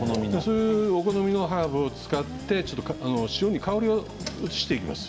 お好みのハーブを使って塩に香りを移していきます。